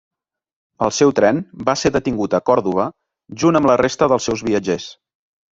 El seu tren va ser detingut a Còrdova junt amb la resta dels seus viatgers.